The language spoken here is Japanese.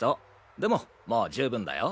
でももう十分だよ。